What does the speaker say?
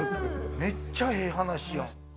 めっちゃええ話や。